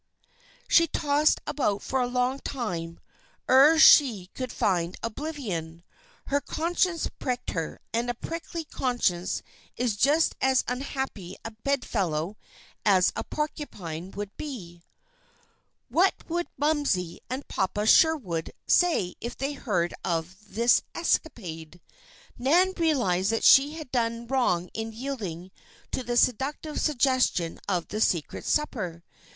She tossed about for a long time ere she could find oblivion. Her conscience pricked her, and a prickly conscience is just as unhappy a bedfellow as a porcupine would be. What would "Momsey" and "Papa Sherwood" say if they heard of this escapade? Nan realized that she had done wrong in yielding to the seductive suggestion of the secret supper.